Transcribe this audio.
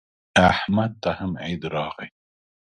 احمد ته هم عید راغی.